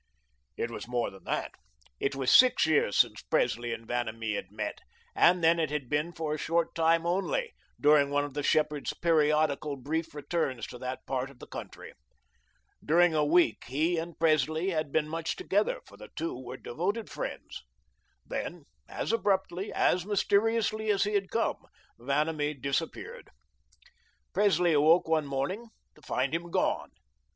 It was more than that. It was six years since Presley and Vanamee had met, and then it had been for a short time only, during one of the shepherd's periodical brief returns to that part of the country. During a week he and Presley had been much together, for the two were devoted friends. Then, as abruptly, as mysteriously as he had come, Vanamee disappeared. Presley awoke one morning to find him gone.